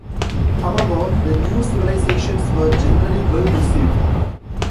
However, the new civilizations were generally well received.